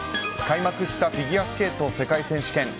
開幕したフィギュアスケート世界選手権。